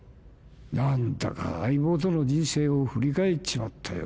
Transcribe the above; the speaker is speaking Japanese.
何だか相棒との人生を振り返っちまったよ。